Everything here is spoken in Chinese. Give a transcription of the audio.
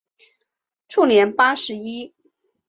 卒年八十一。